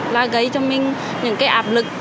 là gây cho mình những cái áp lực